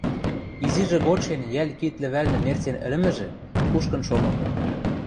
Изижӹ годшен йӓл кид лӹвӓлнӹ мерцен ӹлӹмӹжӹ, кушкын шомыкы